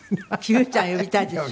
九ちゃん呼びたいでしょ。